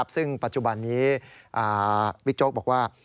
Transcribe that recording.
ซึ่งปัจจุบันนี้บิ๊กโจ๊กบอกว่า